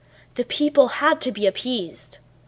"The people had to be appeased.